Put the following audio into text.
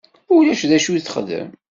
Ulac d acu i texdem.